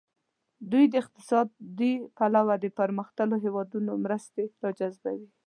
دوی د اقتصادي پلوه د پرمختللو هیوادونو مرستې را جذبوي.